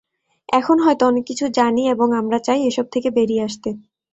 এখন হয়তো অনেক কিছু জানি এবং আমরা চাই এসব থেকে বেরিয়ে আসতে।